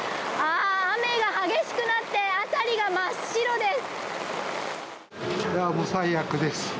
雨が激しくなって辺りが真っ白です。